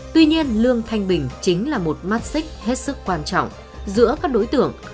tuy nhiên lương thanh bình chính là một mắt xích hết sức quan trọng giữa các đối tượng